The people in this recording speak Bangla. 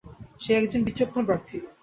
সে একজন বিচক্ষণ প্রার্থী।